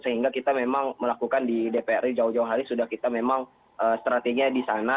sehingga kita memang melakukan di dpr ri jauh jauh hari sudah kita memang strateginya di sana